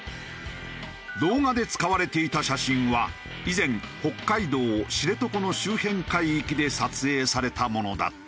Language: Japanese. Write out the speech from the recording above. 動画で使われていた写真は以前北海道知床の周辺海域で撮影されたものだった。